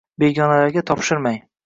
begonalarga topshirmang.